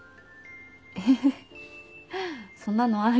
えっそんなのありなの？